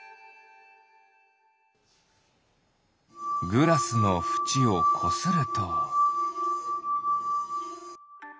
グラスのふちをこすると。